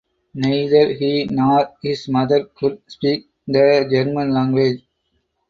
Neither he nor his mother could speak the German language.